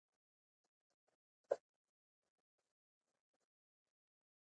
د صداقت او رښتینولۍ اخلاق د خلکو ترمنځ باور پیاوړی کوي.